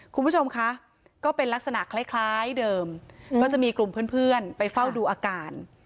คุณผู้ชมคะก็เป็นลักษณะคล้ายเดิมก็จะมีกลุ่มเพื่อนไปเฝ้าดูอาการ